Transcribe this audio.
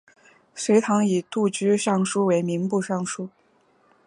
隋代以度支尚书为民部尚书。